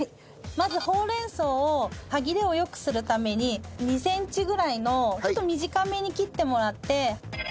まずほうれん草を歯切れを良くするために２センチぐらいのちょっと短めに切ってもらって。